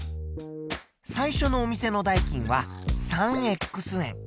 最初のお店の代金は３円。